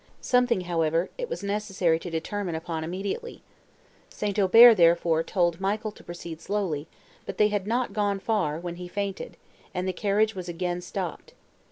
Something, however, it was necessary to determine upon immediately; St. Aubert, therefore, told Michael to proceed slowly; but they had not gone far, when he fainted, and the carriage was again stopped.